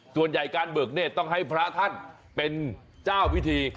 ส่วนใหญ่การเบิกเนธต้องให้พระท่านเป็นเจ้าพิธี